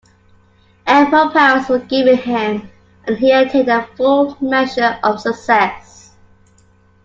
Ample powers were given him, and he attained a full measure of success.